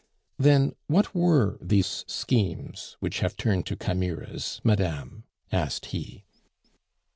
"Then, what were these schemes which have turned to chimeras, madame?" asked he.